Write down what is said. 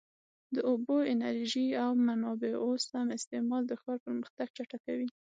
د اوبو، انرژۍ او منابعو سم استعمال د ښار پرمختګ چټکوي.